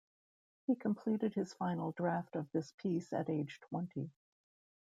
He completed his final draft of this piece at age twenty.